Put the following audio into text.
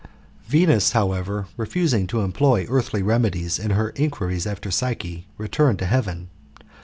Venus, however, refusing to employ earthly methods in her inquiries after Psyche, returned to heaven.